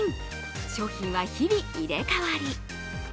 商品は日々、入れ替わり。